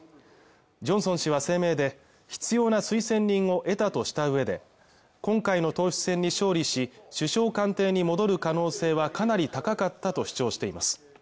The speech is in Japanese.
ジョンソン氏は声明で必要な推薦人を得たとしたうえで今回の党首選に勝利し首相官邸に戻る可能性はかなり高かったと主張しています